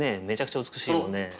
めちゃくちゃ美しいもんね。